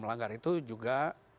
melanggar itu juga